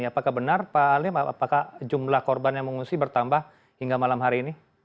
apakah benar pak alim apakah jumlah korban yang mengungsi bertambah hingga malam hari ini